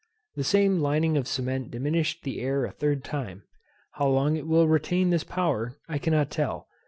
The same lining of cement diminished the air a third time. How long it will retain this power I cannot tell.